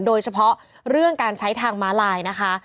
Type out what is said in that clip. โดยเฉพาะเรื่องการใช้ทางม้าลายนะคะ